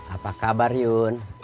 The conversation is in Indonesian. apa kabar yun